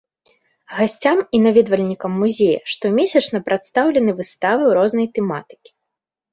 Гасцям і наведвальнікам музея штомесячна прадстаўлены выставы рознай тэматыкі.